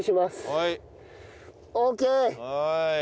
はい。